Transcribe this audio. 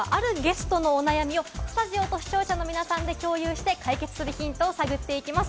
こちらのコーナーは、あるゲストのお悩みを、スタジオと視聴者の皆さんで共有して解決するヒントを探っていきます。